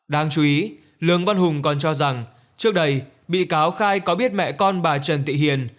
đáng chú ý lương văn hùng còn cho rằng trước đây bị cáo khai có biết mẹ con bà trần thị hiền